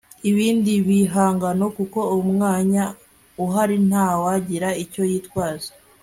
ibindi bihangano kuko 'umwanya uhari nta wagira icyo yitwaza